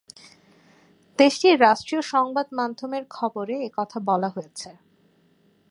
দেশটির রাষ্ট্রীয় সংবাদ মাধ্যমের খবরে এ কথা বলা হয়েছে।